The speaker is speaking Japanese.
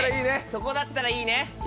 そこだったらいいね。